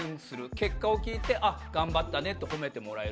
結果を聞いてあ頑張ったねって褒めてもらえる。